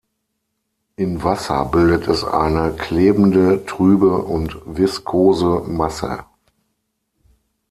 In Wasser bildet es eine klebende, trübe und viskose Masse.